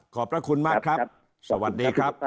ขอบพระคุณมากครับสวัสดีครับ